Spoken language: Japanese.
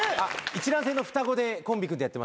一卵性の双子でコンビ組んでやってまして。